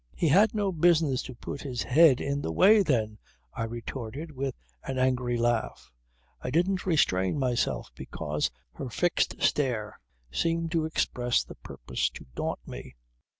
"He had no business to put his head in the way, then," I retorted with an angry laugh. I didn't restrain myself because her fixed stare seemed to express the purpose to daunt me.